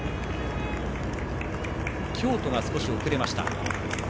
京都が少し遅れました。